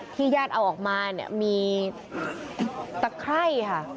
ที่ญาติเอาออกมามีตะไคร่ค่ะ